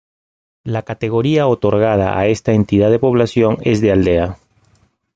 La Categoría otorgada a esta entidad de población es de Aldea.